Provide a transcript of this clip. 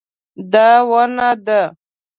دا ونه ده